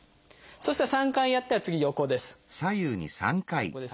そしたら３回やったら次横です。